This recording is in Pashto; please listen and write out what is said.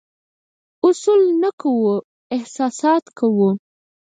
اصول نه کوو، احساسات کوو.